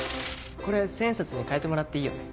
これ１０００円札に替えてもらっていいよね。